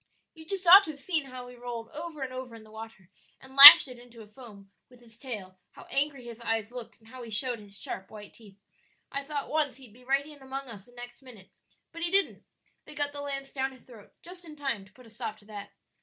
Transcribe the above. You just ought to have seen how he rolled over and over in the water and lashed it into a foam with his tail, how angry his eyes looked, and how he showed his sharp white teeth. I thought once he'd be right in among us the next minute, but he didn't; they got the lance down his throat just in time to put a stop to that."